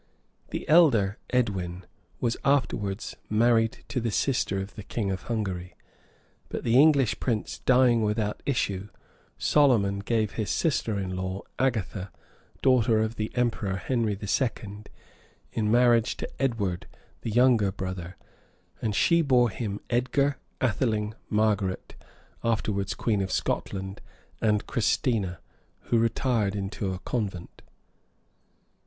The elder, Edwin, was afterwards married to the sister of the king of Hungary; but the English prince dying without issue, Solomon gave his sister in law, Agatha, daughter of the emperor Henry the Second, in marriage to Edward, the younger brother; and she bore him Edgar, Atheling, Margaret, afterwards queen of Scotland, and Christina, who retired into a convent.